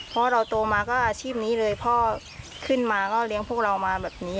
เพราะเราโตมาก็อาชีพนี้เลยพ่อขึ้นมาก็เลี้ยงพวกเรามาแบบนี้